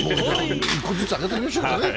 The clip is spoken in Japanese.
１個ずつあげておきましょうかね。